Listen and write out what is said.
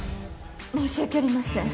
申し訳ありません。